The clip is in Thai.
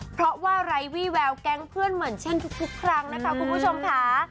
เพราะว่าไร้วี่แววแก๊งเพื่อนเหมือนเช่นทุกครั้งนะคะคุณผู้ชมค่ะ